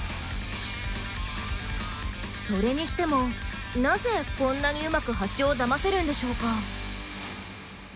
それにしてもなぜこんなにうまくハチをだませるんでしょうか？